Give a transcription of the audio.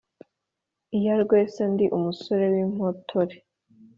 iyarwesa ndi umusore w’impotore